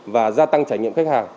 và gia tăng trải nghiệm khách hàng